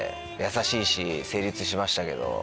優しいし成立しましたけど。